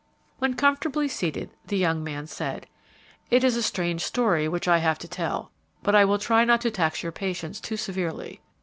When comfortably seated, the young man said, "It is a strange story which I have to tell, but I will try not to tax your patience too severely.